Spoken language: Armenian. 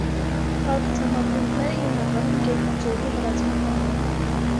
Փակ ցամաքուրդները հիմնականում գետնաջրերի հեռացման համար են։